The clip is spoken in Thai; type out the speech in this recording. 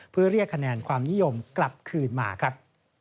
เพื่อเรียกคะแนนความนิยมกลับคืนมาครับ